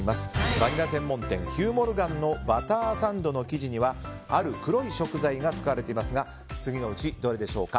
バニラ専門店ヒュー・モルガンのバターサンドの生地にはある黒い食材が使われていますが果たしてそれは何でしょうか。